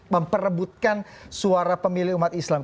memperebutkan suara pemilih umat islam